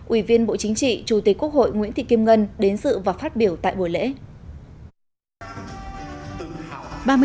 ủy viên bộ chính trị chủ tịch quốc hội nguyễn thị kim ngân đến sự và phát biểu tại buổi lễ